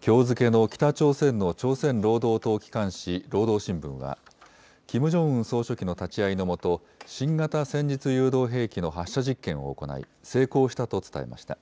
きょう付けの北朝鮮の朝鮮労働党機関紙、労働新聞はキム・ジョンウン総書記の立ち会いのもと新型戦術誘導兵器の発射実験を行い成功したと伝えました。